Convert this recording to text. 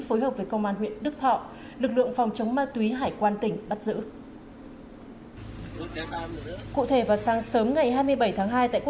phối hợp với công an huyện đức thọ lực lượng phòng chống ma túy hải quan tỉnh bắt giữ